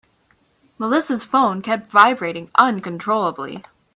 Melissa's phone kept vibrating uncontrollably.